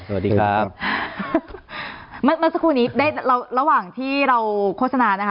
เมื่อสักครู่นี้ระหว่างที่เราโฆษณานะคะ